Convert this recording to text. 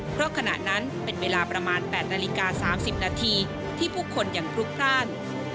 เพราะขณะนั้นเป็นเวลาประมาณ๘นาฬิกา๓๐นาทีที่ผู้คนยังพลุกพลาด